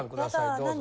どうぞ。